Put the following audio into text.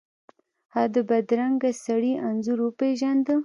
هغه د بدرنګه سړي انځور وپیژنده.